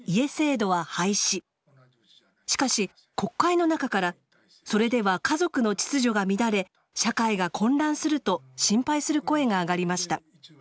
しかし国会の中からそれでは家族の秩序が乱れ社会が混乱すると心配する声があがりました。